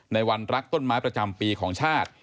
ในวันรักต้นไม้ประจำปีของชาติ